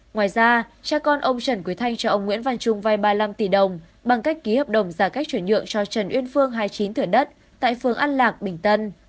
ngoài ra cha con ông trần quỳ thanh cho ông nguyễn văn trung vay ba mươi năm tỷ đồng bằng cách ký hợp đồng giả cách truyền nhượng cho trần uyên phương hai thửa đất tại phường an lạc bình tân